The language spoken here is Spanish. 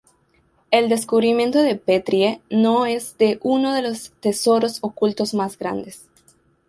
El descubrimiento de Petrie no es de uno de los tesoros ocultos más grandes.